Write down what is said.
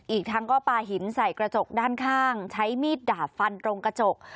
อีกทั้งก็ปลาหินใส่กระจกด้านข้างใช้มีดดาบฟันตรงกระจก